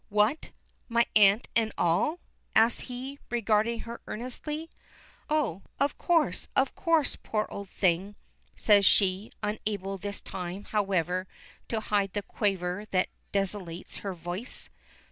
"What! My aunt and all?" asks he, regarding her earnestly. "Oh, of course, of course, poor old thing," says she, unable this time, however, to hide the quaver that desolates her voice.